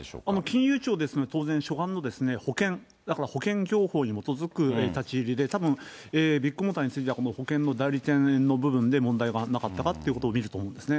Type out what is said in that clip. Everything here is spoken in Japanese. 金融庁ですから、当然諸般の保険、保険業法に基づく立ち入りで、たぶん、ビッグモーターについてはこの保険の代理店の部分で問題がなかったかっていうことを見ると思うんですね。